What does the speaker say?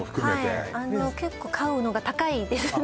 はいあの結構買うのが高いですね